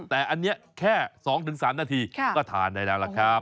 แต่อันนี้แค่๒๓นาทีก็ทานได้แล้วล่ะครับ